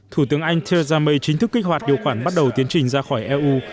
thủ tướng anh theresa may chính thức kích hoạt điều khoản bắt đầu tiến trình ra khỏi eu